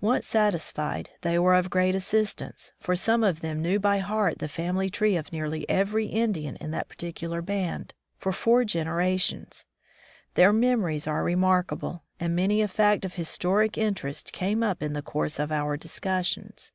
Once satisfied, they were of great assistance, for some of them knew by heart the family tree of nearly every Indian in that particular band for four genera tions. Their memories are remarkable, and many a fact of historic interest came up in the course of our discussions.